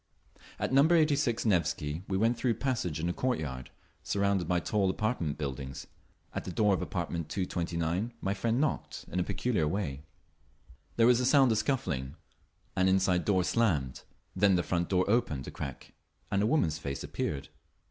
At Number 86 Nevsky we went through a passage into a courtyard, surrounded by tall apartment buildings. At the door of apartment 229 my friend knocked in a peculiar way. There was a sound of scuffling; an inside door slammed; then the front door opened a crack and a woman's face appeared.